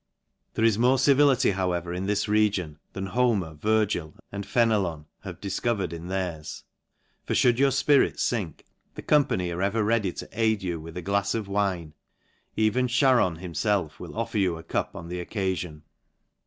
There is more civility, however, in this region, than Horner^ Virgil^ and Fenelon have difcovered in theirs ; for fliould your fpirits fink, the company are ever ready ta LANCASHIRE. 283 to aid ybu with a glafs of wine : even Charm him felf will offer you a cup on the occafion.